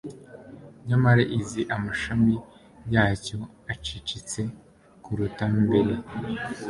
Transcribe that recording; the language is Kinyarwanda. Nyamara izi amashami yacyo acecetse kuruta mbere